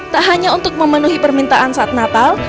tak hanya untuk memenuhi permintaan saat natal